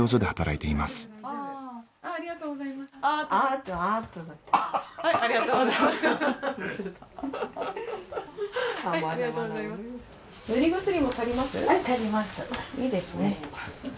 いいですね。